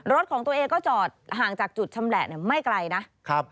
รถของตัวเองก็จอดห่างจากจุดชำแหละไม่ไกลนะครับ